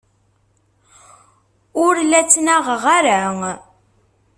Ur la ttnaɣeɣ ara.